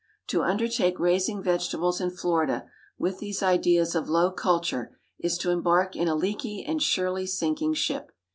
To undertake raising vegetables in Florida, with these ideas of low culture, is to embark in a leaky and surely sinking ship.